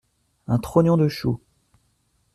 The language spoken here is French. Un trognon de chou.